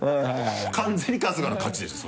完全に春日の勝ちでしょ？